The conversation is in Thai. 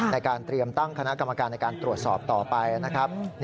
ในการเตรียมตั้งคณะกรรมการในการตรวจสอบต่อไปนะครับ